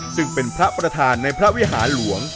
ซึ่งเป็นพระประธานในพระวิหารหลวง